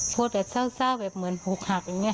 พวกเขาเจ้าเหมือนหูกหักอย่างนี้